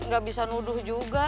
gak bisa nuduh juga